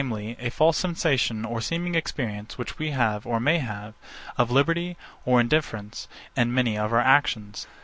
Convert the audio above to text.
a false sensation or seeming experience which we have, or may have, of liberty or indifference, in many of our actions.